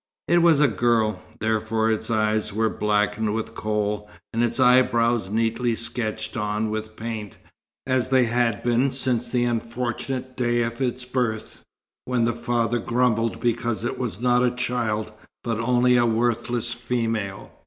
It was a girl, therefore its eyes were blackened with kohl, and its eyebrows neatly sketched on with paint, as they had been since the unfortunate day of its birth, when the father grumbled because it was not a "child," but only a worthless female.